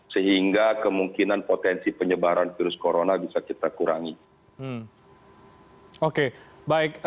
sehingga kemungkinan potensi penyebaran virus corona bisa kita kurangi